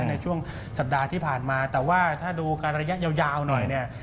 ในช่วงสัปดาห์ที่ผ่านมาแต่ว่าถ้าดูการระยะยาวหน่อยเนี่ย